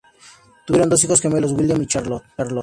Tuvieron dos hijos gemelos, William y Charlotte.